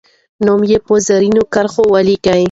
نوم یې په زرینو کرښو ولیکه.